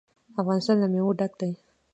افغانستان له مېوې ډک دی.